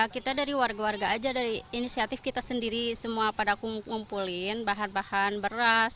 kita dari warga warga aja dari inisiatif kita sendiri semua pada ngumpulin bahan bahan beras